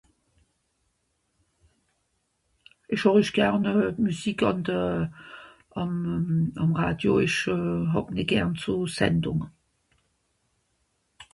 esch hòrich gern musique àn de àm àm Radio esch hàb nìt gern so sendùng